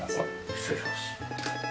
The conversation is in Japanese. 失礼します。